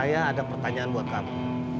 saya ada pertanyaan buat kamu